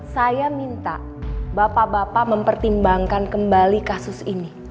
saya minta bapak bapak mempertimbangkan kembali kasus ini